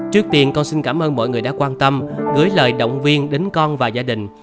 trước tiên con xin cảm ơn mọi người đã quan tâm gửi lời động viên đến con và gia đình